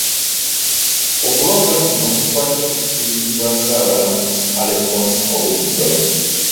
Okulonda kuno kubadde ku kubirizibwa Ssaabalamuzi Alfonse Owiny-Dollo.